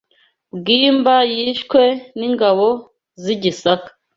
Bwimba yishwe n’ingabo z’i Gisaka